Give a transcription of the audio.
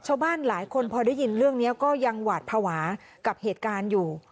ชาวบ้านหลายคนพอได้ยินเรื่องนี้ก็ยังหวาดภาวะกับเหตุการณ์อยู่